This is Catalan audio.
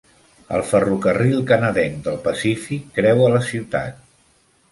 El ferrocarril canadenc del Pacífic creua la ciutat.